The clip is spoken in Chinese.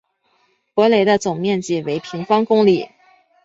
博雷的总面积为平方公里。